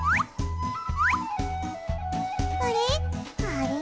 あれ？